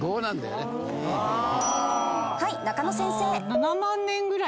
はい中野先生。